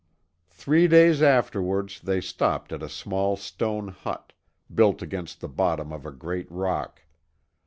Three days afterwards, they stopped at a small stone hut, built against the bottom of a great rock.